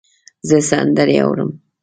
زه سندرې اورم